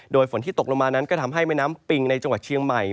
โดยฝนที่ตกลงมานั้นก็ทำให้แม่น้ำปิงในจังหวัดเชียงใหม่